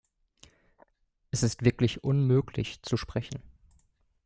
Es ist wirklich unmöglich, zu sprechen.